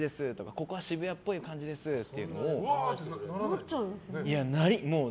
ここは渋谷みたいな感じですって。